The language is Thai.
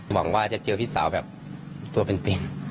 หวังว่าจะเจอพี่สาวแบบตัวเป็น